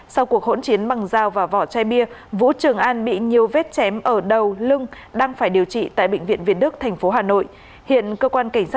sau cuộc hỗn chiến bằng dao và vỏ chai bia vũ trường an bị nhiều vết chém ở đầu lưng đang phải điều trị tại bệnh viện việt đức tp hà nội